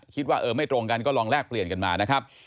คิดว่าเออไม่ตรงกันก็ลองแลกเปลี่ยนกันมานะครับ